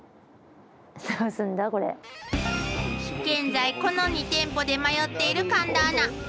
［現在この２店舗で迷っている神田アナ］